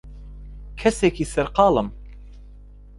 کەسێکی سەرقاڵم.